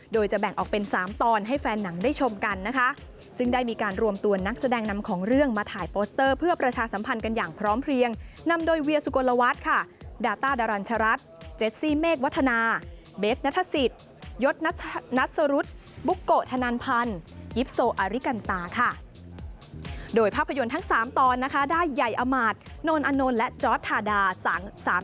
โดยจะแบ่งออกเป็น๓ตอนให้แฟนหนังได้ชมกันนะคะซึ่งได้มีการรวมตัวนักแสดงนำของเรื่องมาถ่ายโปสเตอร์เพื่อประชาสัมพันธ์กันอย่างพร้อมเพลียงนำโดยเวียสุโกลวัฒน์ค่ะดาต้าดารัญชรัตน์เจสซี่เมฆวัฒนาเบสนัทศิษยศนัทสรุษบุโกธนันพันธ์ยิปโซอริกันตาค่ะโดยภาพ